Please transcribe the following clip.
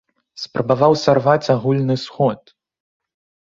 Спрабаваў сарваць агульны сход!